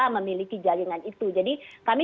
memiliki jaringan itu jadi kami